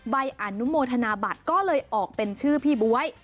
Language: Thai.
ใบอนุโมทนาบัตรก็เลยออกเป็นชื่อพี่บ๊วย